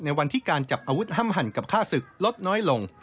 วันที่การจับอาวุธห้ามหั่นกับฆ่าศึกลดน้อยลง